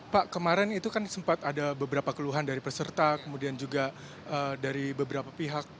pak kemarin itu kan sempat ada beberapa keluhan dari peserta kemudian juga dari beberapa pihak